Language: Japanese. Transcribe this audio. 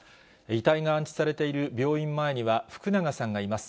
遺体が安置されている病院前には福永さんがいます。